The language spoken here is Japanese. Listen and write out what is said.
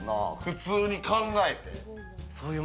普通に考えて。